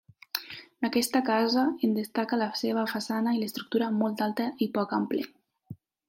D'aquesta casa en destaca la seva façana i l'estructura molt alta i poc ample.